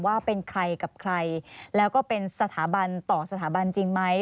ว่าเป็นใครกับใครแล้วก็เป็นสถาบันต่อสถาบันจริงไหม